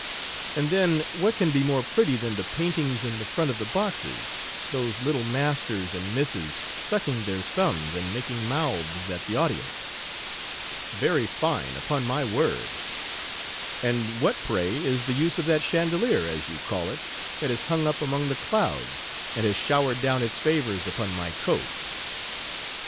And then, what can be more pretty than the paintings in the front of the boxes, those little masters and misses suck ing their thumbs, and making mouths at the audience?" " Very fine, upon my word. And what, pray, is the use of that chandelier, as you call it, that is hung up among the clouds, and has showered down its favours upon my coat ?"